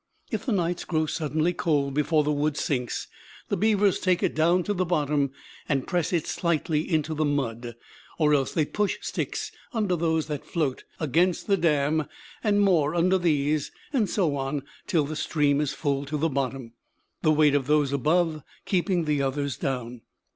If the nights grow suddenly cold before the wood sinks, the beavers take it down to the bottom and press it slightly into the mud; or else they push sticks under those that float against the dam, and more under these; and so on till the stream is full to the bottom, the weight of those above keeping the others down.